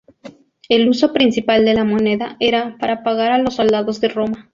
El uso principal de la moneda era para pagar a los soldados de Roma.